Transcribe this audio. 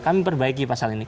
kami perbaiki pasal ini